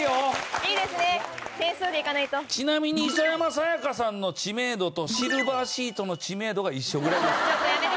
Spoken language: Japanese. ちなみに磯山さやかさんの知名度とシルバーシートの知名度が一緒ぐらいです。